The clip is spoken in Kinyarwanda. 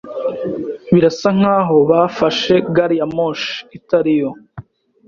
Birasa nkaho bafashe gari ya moshi itari yo.